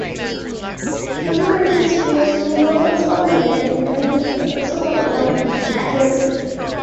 "Suzuka" is a sports-themed romance comedy that intertwines the pursuit of love and athletics.